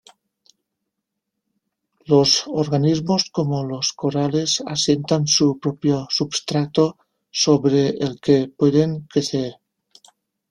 Los organismos como los corales asientan su propio substrato sobre el que pueden crecer.